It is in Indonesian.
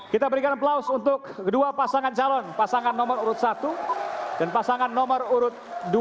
kita berikan aplaus untuk kedua pasangan calon pasangan nomor urut satu dan pasangan nomor urut dua